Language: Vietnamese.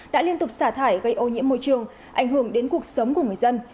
đã liên tục xả thải gây ô nhiễm môi trường ảnh hưởng đến cuộc sống của người dân